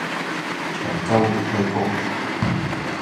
長洲玉虛宮